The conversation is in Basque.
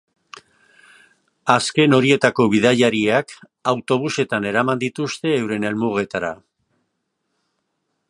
Azken horietako bidaiariak autobusetan eraman dituzte euren helmugetara.